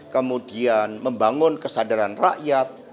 kemudian membangun kesadaran rakyat